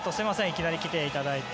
いきなり来ていただいて。